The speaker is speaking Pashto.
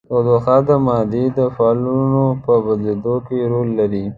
تودوخه د مادې د فازونو په بدلیدو کې رول لري.